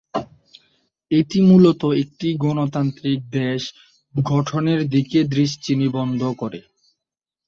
এটি মূলত একটি গণতান্ত্রিক দেশ গঠনের দিকে দৃষ্টি নিবদ্ধ করে।